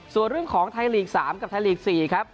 ส่วนเรื่องของไทยลีก๓กับไทยลีก๔ครับ